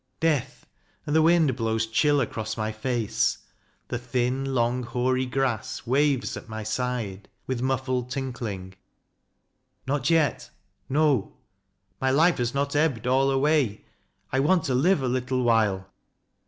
Death and the wind blows chill across my face : The thin, long, hoary grass waves at my side With muffled tinkling. ... Not yet ! No ; my life Has not ebbed all away. I want to live A little while.